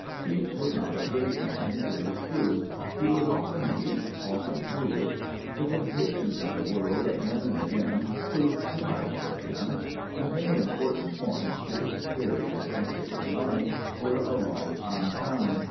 Pepys was not a great man, it is true: he was often weak, often foolish; the temptations of the world again and again proved too much for him; at many important points, his theory and practice of life were alike unsound.